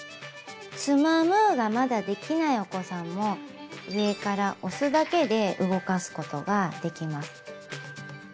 つまむがまだできないお子さんも上から押すだけで動かすことができます。